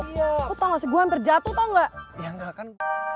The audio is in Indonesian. ya udah ngasih gua hampir jatuh enggak ya nggak kan